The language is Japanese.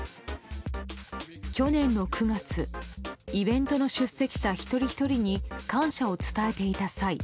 去年の９月イベントの出席者一人ひとりに感謝を伝えていた際。